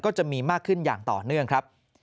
ก็จะมีมากขึ้นอย่างต่อเนื่องครับ